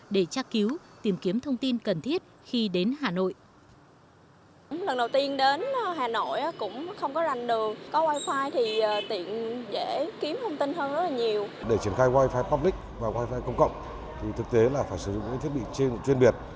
để tra cứu tìm kiếm thông tin cần thiết